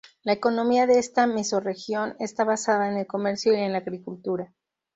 La economía de esta mesorregión está basada en el comercio y en la agricultura.